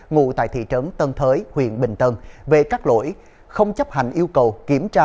ngụ tại thị trấn tân thới huyện bình tân về các lỗi không chấp hành yêu cầu kiểm tra